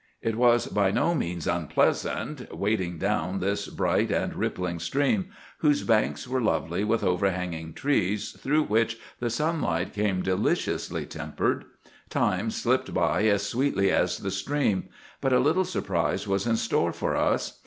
It was by no means unpleasant wading down this bright and rippling stream, whose banks were lovely with overhanging trees through which the sunlight came deliciously tempered. Time slipped by as sweetly as the stream. But a little surprise was in store for us.